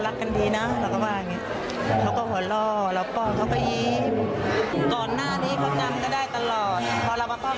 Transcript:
หมายถึงเราไปป้อนพ่อพ่อก็จะบอกให้แม่มัน